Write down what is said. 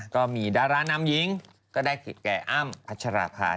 ก็มีดารานำหญิงก็ได้ผิดแก่อ้ำพัชราภา